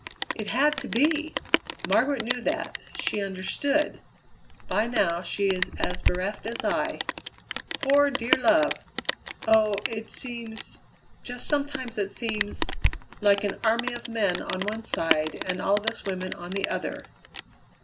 "It had to be! Margaret knew that; she understood. By now she is as bereft as I; poor, dear love! Oh! it seems, just sometimes it seems, like an army of men on one side and all of us women on the other.